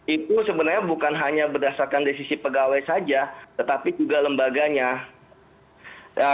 itu sebenarnya bukan hanya berdasarkan dari sisi pegawai saja tetapi juga lembaganya